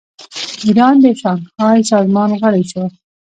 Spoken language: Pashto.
ایران د شانګهای سازمان غړی شو.